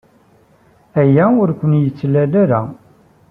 Aya ur ken-yettalel ara.